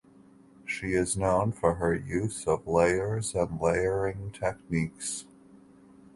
She is known for her use of layers and layering techniques.